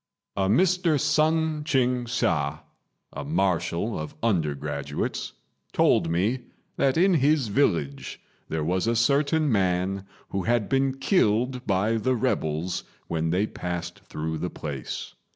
A Mr. Sun Ching hsia, a marshal of undergraduates, told me that in his village there was a certain man who had been killed by the rebels when they passed through the place.